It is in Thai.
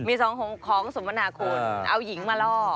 มีสองของสมนาคุณเอาหญิงมาล่อ